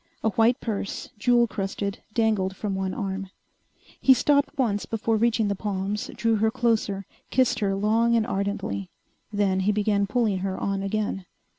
A white purse, jewel crusted, dangled from one arm. He stopped once before reaching the palms, drew her closer, kissed her long and ardently. Then he began pulling her on again.